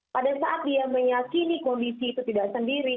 pada saat dia meyakini kondisi itu tidak sendiri